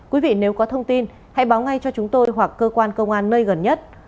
quý vị nếu có thông tin hãy báo ngay cho chúng tôi hoặc cơ quan công an nơi gần nhất